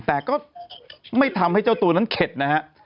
แต่ก็ไม่ทำให้เจ้าตัวนั้นเข็ดนะฮะ